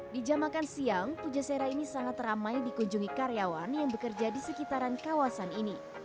di jam makan siang pujasera ini sangat ramai dikunjungi karyawan yang bekerja di sekitaran kawasan ini